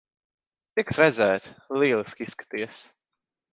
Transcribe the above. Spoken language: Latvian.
Prieks redzēt. Lieliski izskaties.